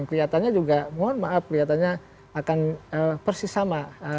kelihatannya juga mohon maaf kelihatannya akan persis sama